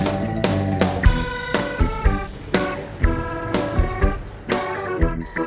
ya kan makanya percuma diadain pemilihan rw